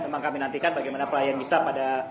memang kami nantikan bagaimana perayaan bisa pada